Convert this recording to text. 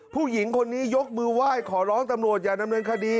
ผู้หญิงคนนี้ยกมือไหว้ขอร้องตำรวจอย่าดำเนินคดี